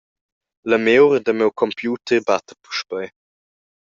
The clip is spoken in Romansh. La miur da miu computer batta puspei.